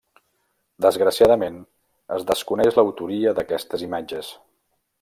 Desgraciadament, es desconeix l'autoria d'aquestes imatges.